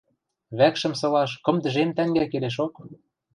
Вӓкшӹм сылаш кым тӹжем тӓнгӓ келешок...